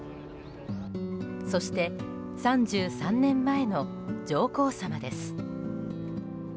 そして３３年前の上皇さまです。